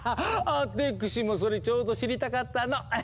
アテクシもそれちょうど知りたかったの！